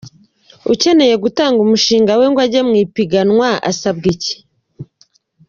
Ukeneye gutanga umushinga we ngo ujye mu ipiganwa asabwa iki ?.